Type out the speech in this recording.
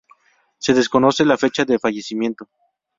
Se desconoce la fecha de fallecimiento.